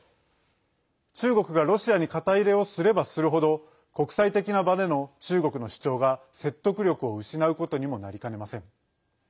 中国がロシアに肩入れをすればするほど国際的な場での中国の主張が説得力を失うことにもなりかねません。